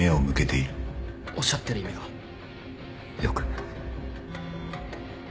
おっしゃってる意味がよく。